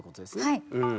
はい。